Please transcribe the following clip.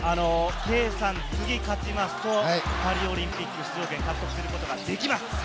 次を勝つと、パリオリンピック出場権を獲得することができます。